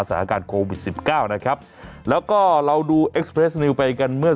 สถาการโควิดสิบเก้านะครับแล้วก็เราดูไปกันเมื่อ